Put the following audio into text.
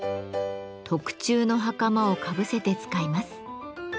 特注の袴をかぶせて使います。